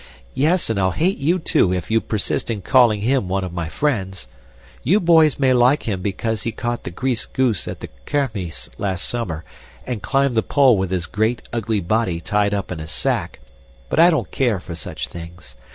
"Yes, and I'll hate you, too, if you persist in calling him one of my friends. You boys may like him because he caught the greased goose at the kermis last summer and climbed the pole with his great, ugly body tied up in a sack, but I don't care for such things.